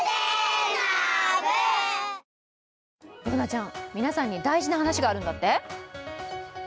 Ｂｏｏｎａちゃん、皆さんに大事な話があるんだって？